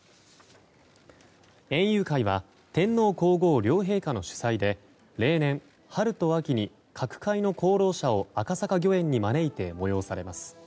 園遊会は天皇・皇后両陛下の主催で例年、春と秋に各界の功労者を赤坂御苑に招いて催されます。